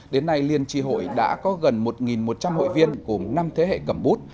đến nay liên tri hội đã có gần một một trăm linh hội viên gồm năm thế hệ cầm bút